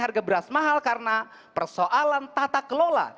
harga beras mahal karena persoalan tata kelola